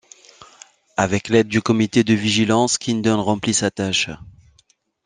Avec l'aide du comité de vigilance, Kingdon remplit sa tâche.